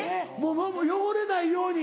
汚れないように？